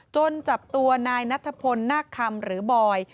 จับตัวนายนัทพลนาคคำหรือบอย